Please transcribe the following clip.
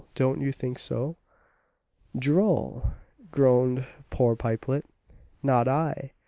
Don't you think so?" "Droll!" groaned poor Pipelet; "not I!